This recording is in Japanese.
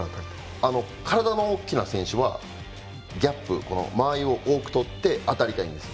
体の大きな選手はギャップ、間合いを多くとって、当たりたいんです。